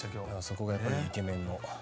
そこがやっぱりイケ麺の。